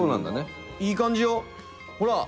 北山：いい感じよ、ほら！